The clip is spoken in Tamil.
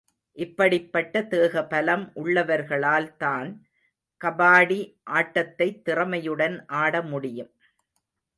இப்படிப்பட்ட தேக பலம் உள்ளவர்களால்தான் கபாடி ஆட்டத்தைத் திறமையுடன் ஆட முடியும்.